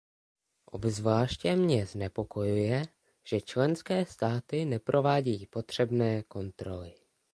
Obzvláště mne znepokojuje, že členské státy neprovádějí potřebné kontroly.